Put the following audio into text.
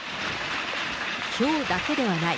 ひょうだけではない。